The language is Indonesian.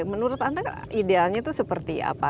menurut anda idealnya itu seperti apa